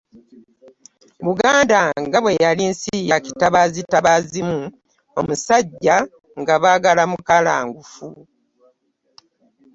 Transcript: Buganda nga bwe yali nsi ya kitabaazitabaazimu, omusajja nga baagala mukalangufu.